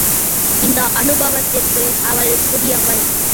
இந்த அனுபவத்திற்கு அவள் புதியவள்.